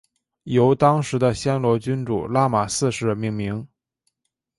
由当时的暹罗君主拉玛四世命名。